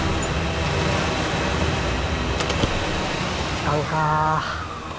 あかんか。